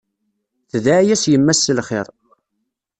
Tedɛa-yas yemma-s s lxir.